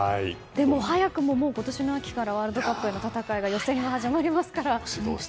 早くも今年の秋からワールドカップへの戦いの予選が始まりますから。